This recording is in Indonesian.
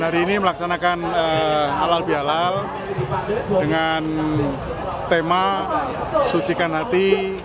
hari ini melaksanakan halal bihalal dengan tema sucikan hati